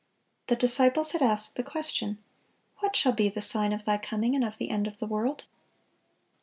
The disciples had asked the question, "What shall be the sign of Thy coming, and of the end of the world?"